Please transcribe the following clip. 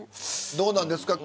どうなんですか。